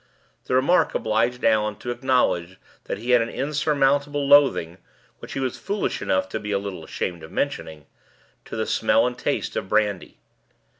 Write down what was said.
The remark obliged Allan to acknowledge that he had an insurmountable loathing (which he was foolish enough to be a little ashamed of mentioning) to the smell and taste of brandy.